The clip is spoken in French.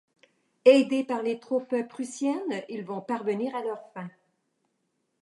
Aidés par les troupes prussiennes, ils vont parvenir à leur fin.